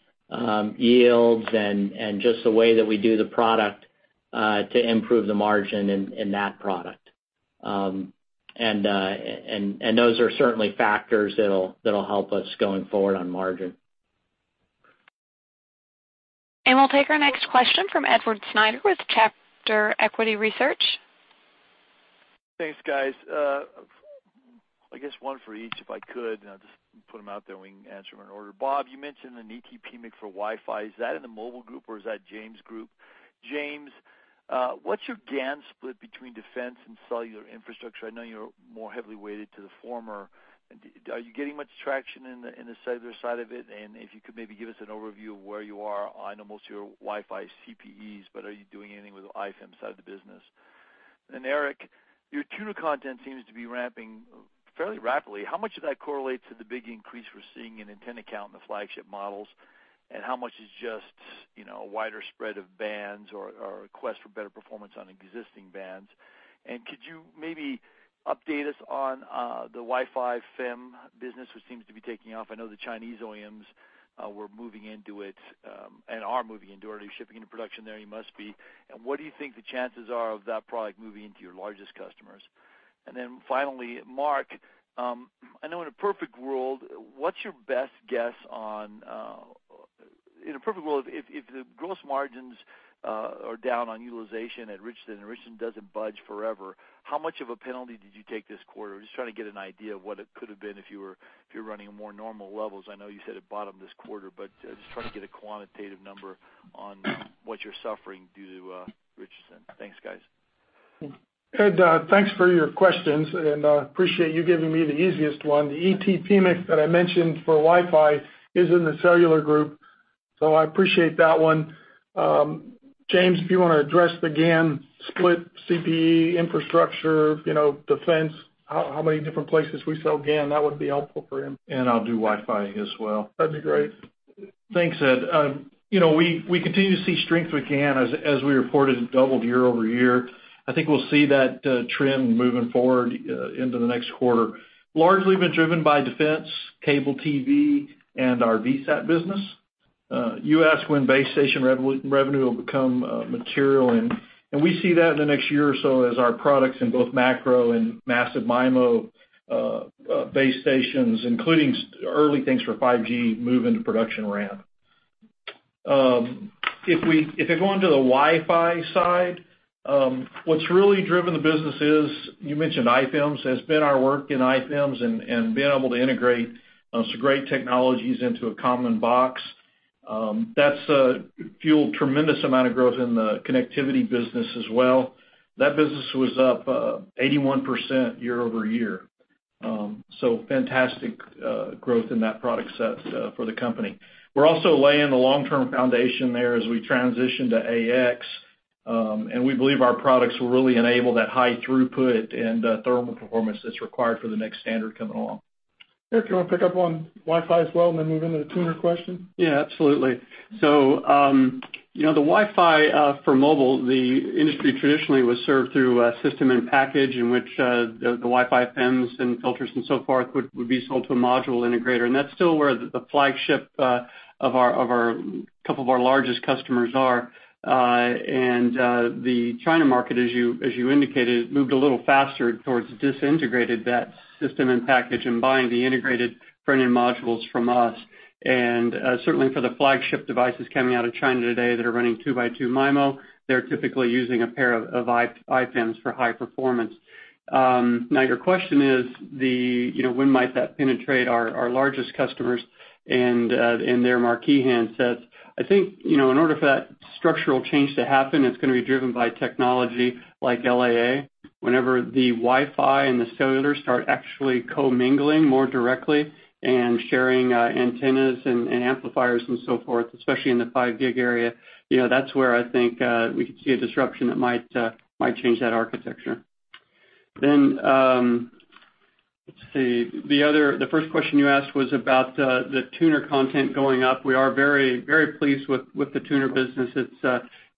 yields and just the way that we do the product, to improve the margin in that product. Those are certainly factors that'll help us going forward on margin. We'll take our next question from Edward Snyder with Charter Equity Research. Thanks, guys. I guess one for each, if I could, I'll just put them out there and we can answer them in order. Bob, you mentioned an ET PMIC for Wi-Fi. Is that in the mobile group or is that James' group? James, what's your GaN split between defense and cellular infrastructure? I know you're more heavily weighted to the former. Are you getting much traction in the cellular side of it? If you could maybe give us an overview of where you are. I know most of your Wi-Fi CPEs, but are you doing anything with the iFEMs side of the business? Eric, your tuner content seems to be ramping fairly rapidly. How much of that correlates to the big increase we're seeing in antenna count in the flagship models, and how much is just a wider spread of bands or a quest for better performance on existing bands? Could you maybe update us on the Wi-Fi FEM business, which seems to be taking off? I know the Chinese OEMs were moving into it, and are moving into it. Are they shipping into production there? They must be. What do you think the chances are of that product moving into your largest customers? Finally, Mark, I know in a perfect world, what's your best guess on, in a perfect world, if the gross margins are down on utilization at Richardson and Richardson doesn't budge forever, how much of a penalty did you take this quarter? Just trying to get an idea of what it could have been if you were running more normal levels. I know you said it bottomed this quarter, but just trying to get a quantitative number on what you're suffering due to Richardson. Thanks, guys. Ed, thanks for your questions and appreciate you giving me the easiest one. The ET PMIC that I mentioned for Wi-Fi is in the cellular group, so I appreciate that one. James, if you want to address the GaN split, CPE infrastructure, defense, how many different places we sell GaN, that would be helpful for him. I'll do Wi-Fi as well. That'd be great. Thanks, Ed. We continue to see strength with GaN. As we reported, it doubled year-over-year. I think we'll see that trend moving forward into the next quarter. Largely been driven by defense, cable TV, and our VSAT business. You asked when base station revenue will become material, we see that in the next year or so as our products in both macro and massive MIMO base stations, including early things for 5G, move into production ramp. If we go onto the Wi-Fi side, what's really driven the business is, you mentioned iFEMs, has been our work in iFEMs and being able to integrate some great technologies into a common box. That's fueled tremendous amount of growth in the connectivity business as well. That business was up 81% year-over-year. Fantastic growth in that product set for the company. We're also laying the long-term foundation there as we transition to AX, we believe our products will really enable that high throughput and thermal performance that's required for the next standard coming along. Eric, do you want to pick up on Wi-Fi as well and then move into the tuner question? Yeah, absolutely. The Wi-Fi for mobile, the industry traditionally was served through a system and package in which the Wi-Fi FEMs and filters and so forth would be sold to a module integrator. That's still where the flagship of couple of our largest customers are. The China market, as you indicated, moved a little faster towards disintegrated that system and package and buying the integrated front-end modules from us. Certainly for the flagship devices coming out of China today that are running 2x2 MIMO, they're typically using a pair of iFEMs for high performance. Now your question is, when might that penetrate our largest customers and their marquee handsets? I think, in order for that structural change to happen, it's going to be driven by technology like LAA. Whenever the Wi-Fi and the cellular start actually co-mingling more directly and sharing antennas and amplifiers and so forth, especially in the 5 gig area, that's where I think we could see a disruption that might change that architecture. Let's see. The first question you asked was about the tuner content going up. We are very pleased with the tuner business.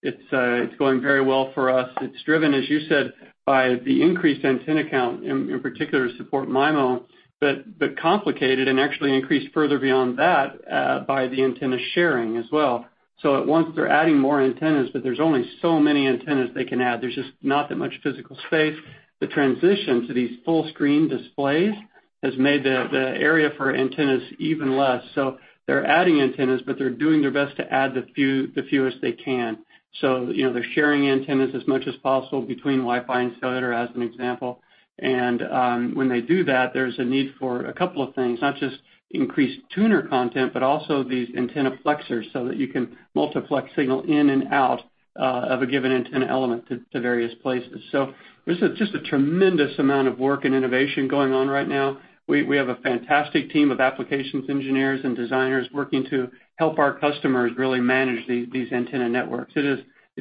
It's going very well for us. It's driven, as you said, by the increased antenna count, in particular, to support MIMO, complicated and actually increased further beyond that, by the antenna sharing as well. At once they're adding more antennas, there's only so many antennas they can add. There's just not that much physical space. The transition to these full-screen displays has made the area for antennas even less so. They're adding antennas, they're doing their best to add the fewest they can. They're sharing antennas as much as possible between Wi-Fi and cellular, as an example. When they do that, there's a need for a couple of things, not just increased tuner content, but also these antenna-plexers so that you can multiplex signal in and out of a given antenna element to various places. There's just a tremendous amount of work and innovation going on right now. We have a fantastic team of applications engineers and designers working to help our customers really manage these antenna networks. It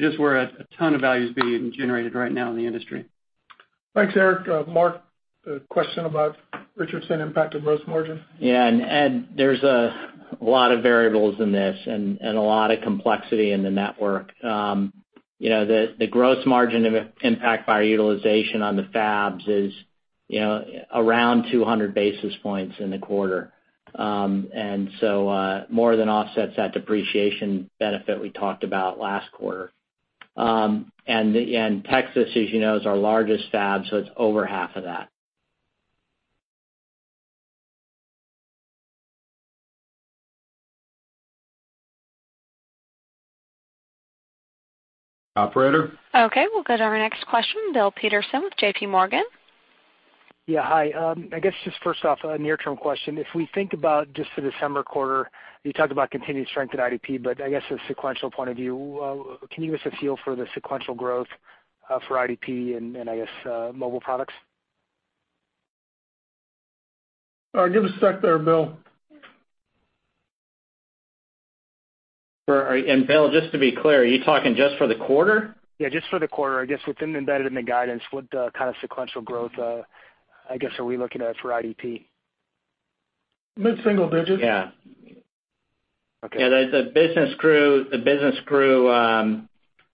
is where a ton of value's being generated right now in the industry. Thanks, Eric. Mark, the question about Richardson impacted gross margin. Yeah. Ed, there's a lot of variables in this and a lot of complexity in the network. The gross margin impact by our utilization on the fabs is around 200 basis points in the quarter. More than offsets that depreciation benefit we talked about last quarter. Texas, as you know, is our largest fab, so it's over half of that. Operator? Okay, we'll go to our next question, Bill Peterson with J.P. Morgan. Yeah, hi. I guess just first off, a near-term question. If we think about just the December quarter, you talked about continued strength in IDP, but I guess a sequential point of view, can you give us a feel for the sequential growth for IDP and I guess, Mobile Products? All right, give a sec there, Bill. Bill, just to be clear, are you talking just for the quarter? Yeah, just for the quarter. I guess within the embedded in the guidance, what kind of sequential growth, I guess, are we looking at for IDP? Mid-single digits. Yeah. Okay. Yeah, the business grew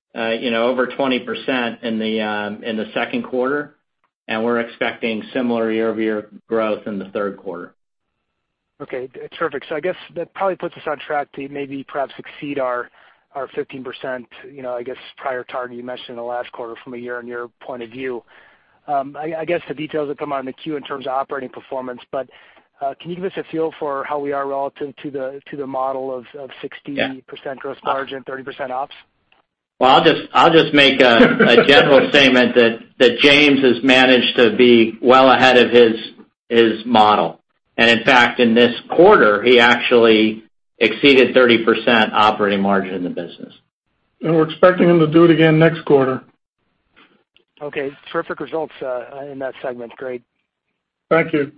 over 20% in the second quarter, and we're expecting similar year-over-year growth in the third quarter. Okay, terrific. I guess that probably puts us on track to maybe perhaps exceed our 15%, I guess, prior target you mentioned in the last quarter from a year-on-year point of view. I guess the details will come out in the Q in terms of operating performance, but, can you give us a feel for how we are relative to the model of 60%- Yeah gross margin, 30% ops? Well, I'll just make a general statement that James has managed to be well ahead of his model. In fact, in this quarter, he actually exceeded 30% operating margin in the business. We're expecting him to do it again next quarter. Okay. Terrific results, in that segment. Great. Thank you.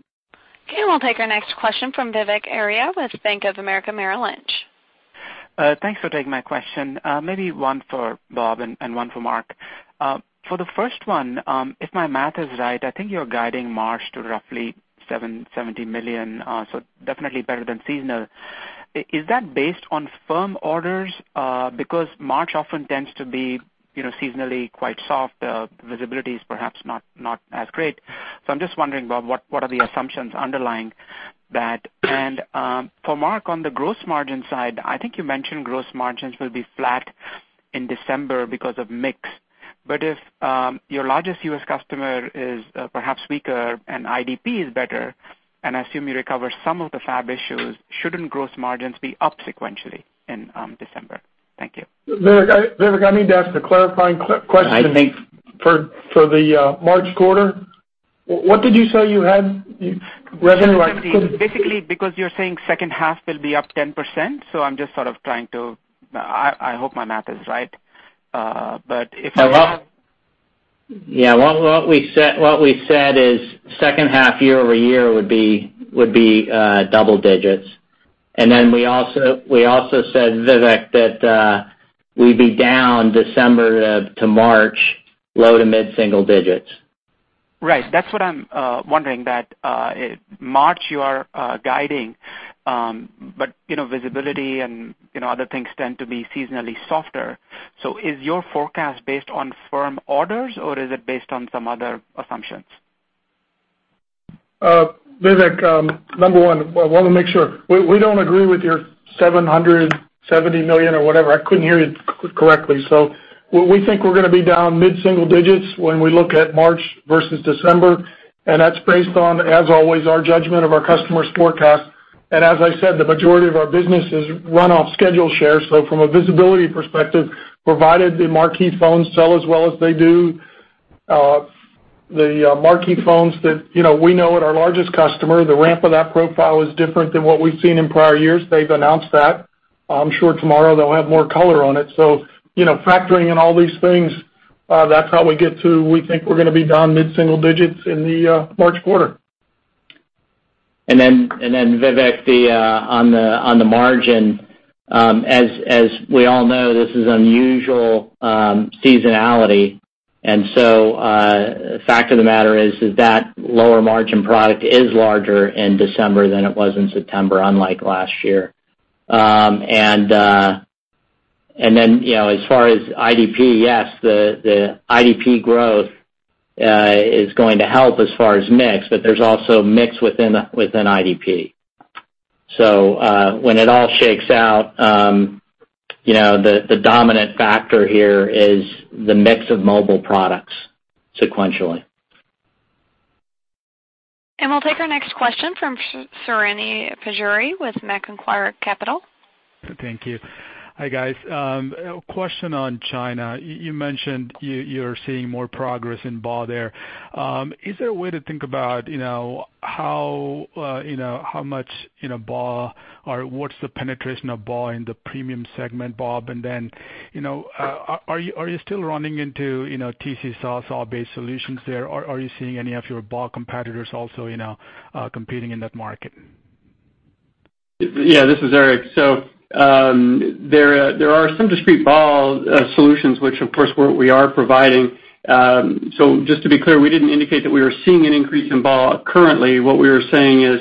Okay, we'll take our next question from Vivek Arya with Bank of America Merrill Lynch. Thanks for taking my question. Maybe one for Bob and one for Mark. For the first one, if my math is right, I think you're guiding March to roughly $770 million, definitely better than seasonal. March often tends to be seasonally quite soft, visibility's perhaps not as great. I'm just wondering, Bob, what are the assumptions underlying that? For Mark, on the gross margin side, I think you mentioned gross margins will be flat in December because of mix. If your largest U.S. customer is perhaps weaker and IDP is better, and I assume you recover some of the fab issues, shouldn't gross margins be up sequentially in December? Thank you. Vivek, I need to ask a clarifying question. I think- For the March quarter, what did you say you had revenue like? Basically, because you're saying second half will be up 10%, I'm just sort of trying to I hope my math is right. Yeah. What we said is second half year-over-year would be double digits. We also said, Vivek, that we'd be down December to March, low to mid-single digits. Right. That's what I'm wondering, that March you are guiding, visibility and other things tend to be seasonally softer. Is your forecast based on firm orders or is it based on some other assumptions? Vivek, number one, I want to make sure. We don't agree with your $770 million or whatever. I couldn't hear you correctly. We think we're going to be down mid-single digits when we look at March versus December, and that's based on, as always, our judgment of our customers' forecasts. As I said, the majority of our business is run off schedule shares. From a visibility perspective, provided the marquee phones sell as well as they do, the marquee phones that we know at our largest customer, the ramp of that profile is different than what we've seen in prior years. They've announced that. I'm sure tomorrow they'll have more color on it. Factoring in all these things, that's how we get to, we think we're going to be down mid-single digits in the March quarter. Vivek, on the margin, as we all know, this is unusual seasonality. Fact of the matter is that that lower margin product is larger in December than it was in September, unlike last year. As far as IDP, yes, the IDP growth is going to help as far as mix, but there's also mix within IDP. When it all shakes out, the dominant factor here is the mix of Mobile Products sequentially. We'll take our next question from Srini Pajjuri with Macquarie Capital. Thank you. Hi, guys. Question on China. You mentioned you're seeing more progress in BAW there. Is there a way to think about how much BAW, or what's the penetration of BAW in the premium segment, Bob? Are you still running into TC SAW-based solutions there, or are you seeing any of your BAW competitors also competing in that market? This is Eric. There are some discrete BAW solutions, which of course, we are providing. Just to be clear, we didn't indicate that we were seeing an increase in BAW currently. What we were saying is,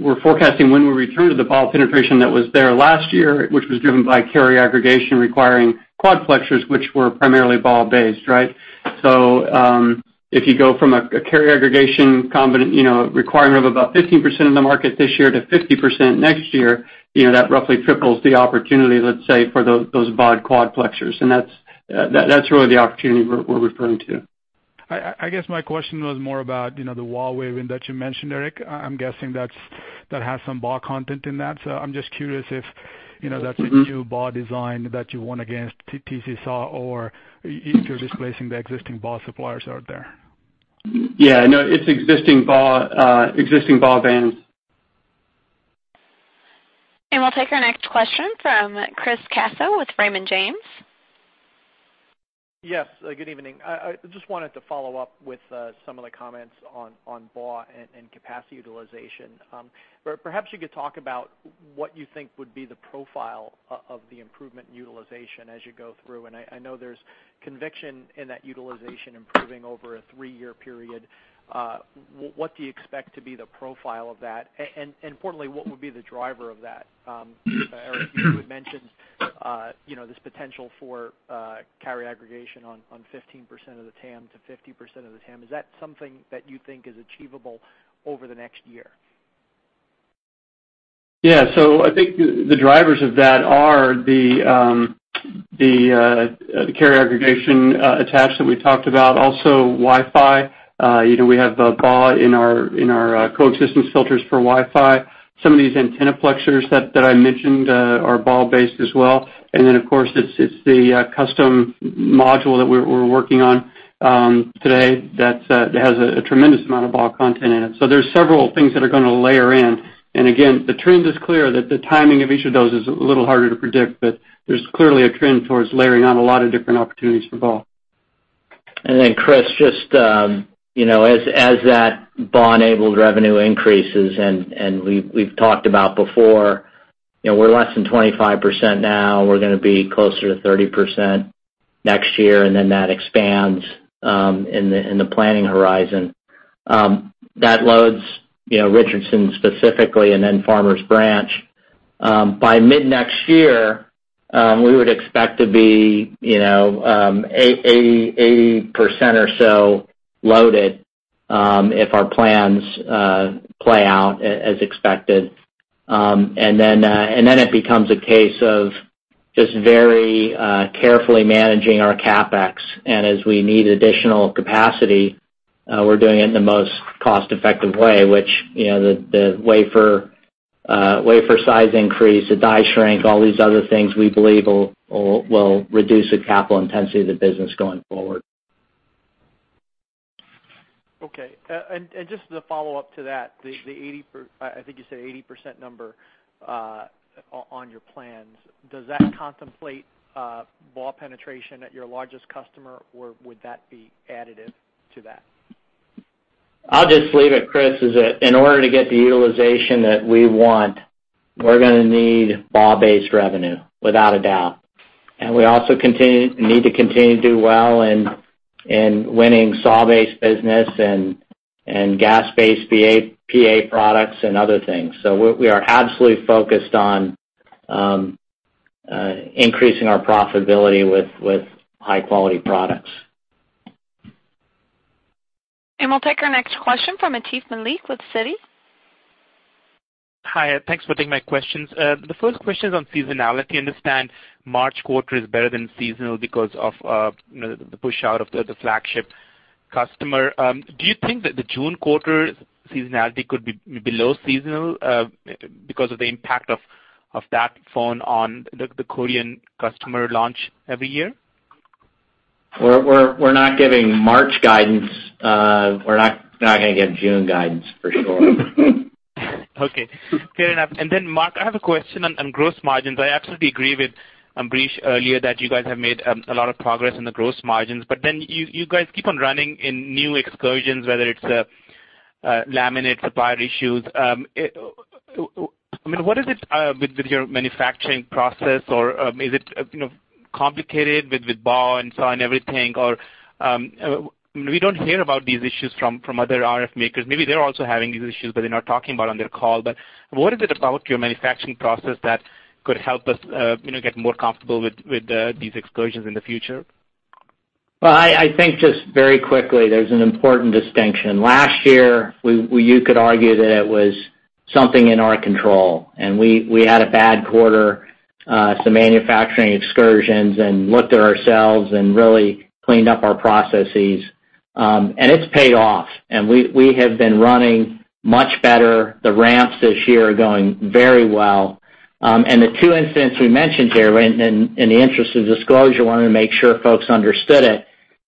we're forecasting when we return to the BAW penetration that was there last year, which was driven by carrier aggregation requiring quadplexers, which were primarily BAW-based, right. If you go from a carrier aggregation requirement of about 15% of the market this year to 50% next year, that roughly triples the opportunity, let's say, for those BAW quadplexers. That's really the opportunity we're referring to. I guess my question was more about the BAW wave that you mentioned, Eric. I'm guessing that has some BAW content in that. I'm just curious if. It's a new BAW design that you won against TC SAW or if you're displacing the existing BAW suppliers out there. No, it's existing BAW bands. We'll take our next question from Chris Caso with Raymond James. Yes. Good evening. I just wanted to follow up with some of the comments on BAW and capacity utilization. Perhaps you could talk about what you think would be the profile of the improvement in utilization as you go through. I know there's conviction in that utilization improving over a three-year period. What do you expect to be the profile of that? Importantly, what would be the driver of that? Eric, you had mentioned this potential for carrier aggregation on 15% of the TAM to 50% of the TAM. Is that something that you think is achievable over the next year? Yeah. I think the drivers of that are the carrier aggregation attach that we talked about, also Wi-Fi. We have BAW in our coexistent filters for Wi-Fi. Some of these antenna-plexers that I mentioned are BAW based as well. Then, of course, it's the custom module that we're working on today that has a tremendous amount of BAW content in it. There's several things that are gonna layer in. Again, the trend is clear that the timing of each of those is a little harder to predict, but there's clearly a trend towards layering on a lot of different opportunities for BAW. Then Chris, just as that BAW-enabled revenue increases, and we've talked about before, we're less than 25% now, we're gonna be closer to 30% next year, and then that expands in the planning horizon. That loads Richardson specifically and then Farmers Branch. By mid-next year, we would expect to be 80% or so loaded if our plans play out as expected. Then it becomes a case of just very carefully managing our CapEx. As we need additional capacity, we're doing it in the most cost-effective way, which the wafer size increase, the die shrink, all these other things we believe will reduce the capital intensity of the business going forward. Okay. Just as a follow-up to that, I think you said 80% number on your plans. Does that contemplate BAW penetration at your largest customer, or would that be additive to that? I'll just leave it, Chris, is that in order to get the utilization that we want, we're gonna need BAW-based revenue, without a doubt. We also need to continue to do well in winning SAW-based business and GaAs-based PA products and other things. We are absolutely focused on increasing our profitability with high-quality products. We'll take our next question from Atif Malik with Citi. Hi, thanks for taking my questions. The first question's on seasonality. I understand March quarter is better than seasonal because of the pushout of the flagship customer. Do you think that the June quarter seasonality could be below seasonal because of the impact of that phone on the Korean customer launch every year? We're not giving March guidance. We're not gonna give June guidance, for sure. Okay, fair enough. Mark, I have a question on gross margins. I absolutely agree with Ambrish earlier, that you guys have made a lot of progress in the gross margins, you guys keep on running in new excursions, whether it's laminate supply issues. What is it with your manufacturing process, or is it complicated with BAW and SAW and everything? We don't hear about these issues from other RF makers. Maybe they're also having these issues, but they're not talking about on their call. What is it about your manufacturing process that could help us get more comfortable with these excursions in the future? Well, I think just very quickly, there's an important distinction. Last year, you could argue that it was something in our control, and we had a bad quarter, some manufacturing excursions, and looked at ourselves and really cleaned up our processes. It's paid off, and we have been running much better. The ramps this year are going very well. The two incidents we mentioned here, in the interest of disclosure, wanted to make sure folks understood it,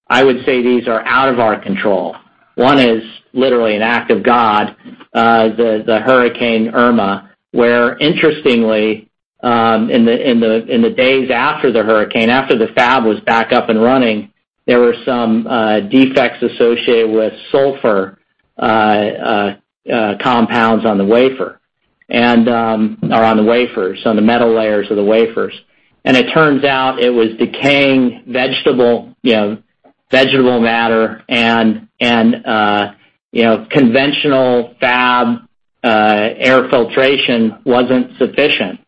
I would say these are out of our control. One is literally an act of God, the Hurricane Irma, where interestingly, in the days after the hurricane, after the fab was back up and running, there were some defects associated with sulfur compounds on the wafers, on the metal layers of the wafers. It turns out it was decaying vegetable matter and conventional fab air filtration wasn't sufficient.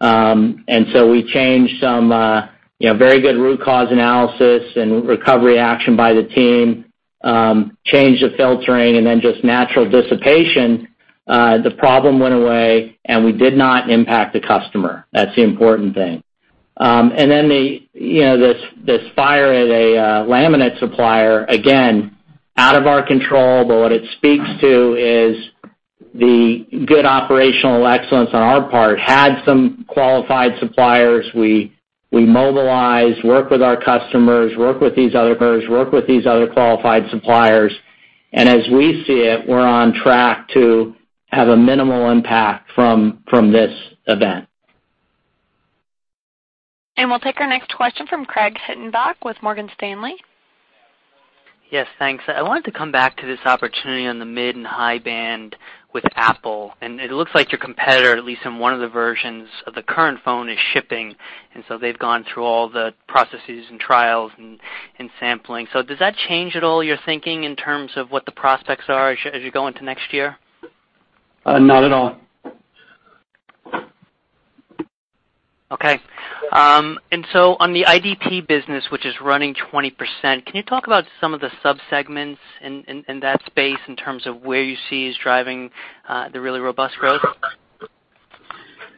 We changed some very good root cause analysis and recovery action by the team, changed the filtering, and then just natural dissipation, the problem went away, and we did not impact the customer. That's the important thing. This fire at a laminate supplier, again, out of our control, what it speaks to is the good operational excellence on our part, had some qualified suppliers. We mobilized, worked with our customers, worked with these other partners, worked with these other qualified suppliers, and as we see it, we're on track to have a minimal impact from this event. We'll take our next question from Craig Hettenbach with Morgan Stanley. Yes, thanks. I wanted to come back to this opportunity on the mid and high band with Apple. It looks like your competitor, at least on one of the versions of the current phone, is shipping, and so they've gone through all the processes and trials and sampling. Does that change at all your thinking in terms of what the prospects are as you go into next year? Not at all. Okay. On the IDP business, which is running 20%, can you talk about some of the subsegments in that space in terms of where you see is driving the really robust growth?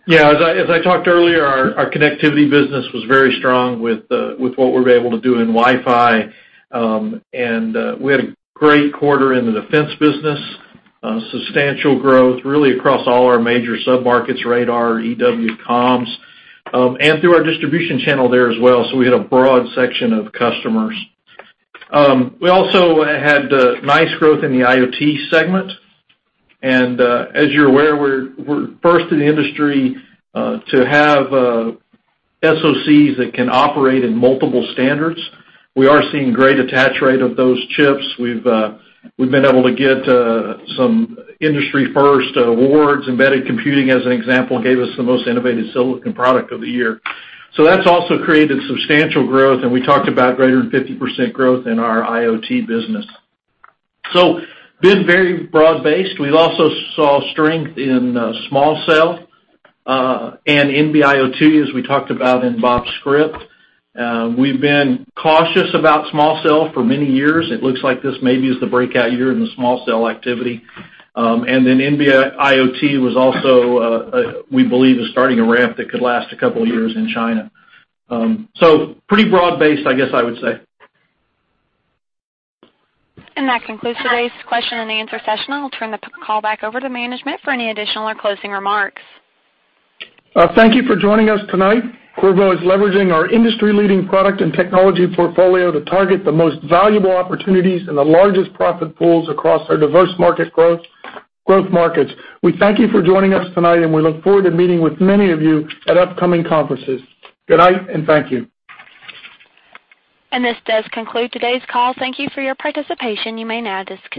Yeah, as I talked earlier, our connectivity business was very strong with what we've been able to do in Wi-Fi. We had a great quarter in the defense business, substantial growth really across all our major sub-markets, radar, EW, comms, and through our distribution channel there as well. We had a broad section of customers. We also had nice growth in the IoT segment. As you're aware, we're first in the industry to have SoCs that can operate in multiple standards. We are seeing great attach rate of those chips. We've been able to get some industry first awards. Embedded Computing, as an example, gave us the most innovative silicon product of the year. That's also created substantial growth, and we talked about greater than 50% growth in our IoT business. Been very broad-based. We also saw strength in small cell, NB-IoT, as we talked about in Bob's script. We've been cautious about small cell for many years. It looks like this maybe is the breakout year in the small cell activity. NB-IoT was also, we believe, is starting a ramp that could last a couple of years in China. Pretty broad based, I guess I would say. That concludes today's question and answer session. I'll turn the call back over to management for any additional or closing remarks. Thank you for joining us tonight. Qorvo is leveraging our industry-leading product and technology portfolio to target the most valuable opportunities and the largest profit pools across our diverse growth markets. We thank you for joining us tonight, and we look forward to meeting with many of you at upcoming conferences. Good night, and thank you. This does conclude today's call. Thank you for your participation. You may now disconnect.